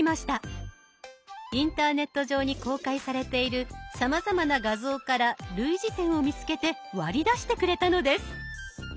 インターネット上に公開されているさまざまな画像から類似点を見つけて割り出してくれたのです。